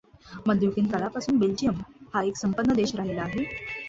मध्ययुगीन काळापासून बेल्जियम हा एक संपन्न देश राहिला आहे.